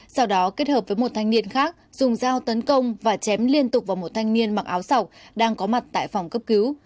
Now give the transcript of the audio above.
sau đó kết hợp với một thanh niên khác dùng dao tấn công và chém liên tục vào một thanh niên mặc áo sọc đang có mặt tại phòng cấp cứu